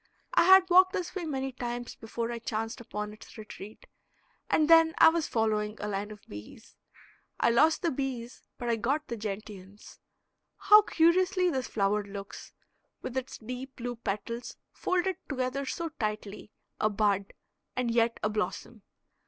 I had walked this way many times before I chanced upon its retreat; and then I was following a line of bees. I lost the bees but I got the gentians. How curiously this flower looks, with its deep blue petals folded together so tightly a bud and yet a blossom.